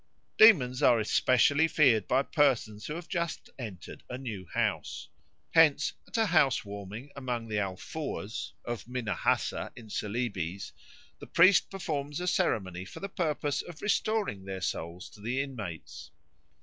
Demons are especially feared by persons who have just entered a new house. Hence at a house warming among the Alfoors of Minahassa in Celebes the priest performs a ceremony for the purpose of restoring their souls to the inmates.